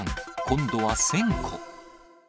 今度は１０００個。